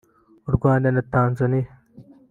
u Rwanda na Tanzania